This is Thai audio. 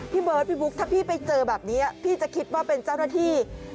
พี่เบิร์ดพี่บุ๊คถ้าพี่ไปเจอแบบนี้พี่จะคิดว่าเป็นเจ้าหน้าที่